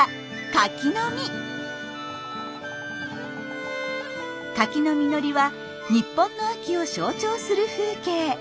カキの実りは日本の秋を象徴する風景。